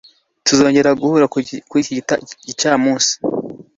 Tuzongera guhura kuri iki gicamunsi.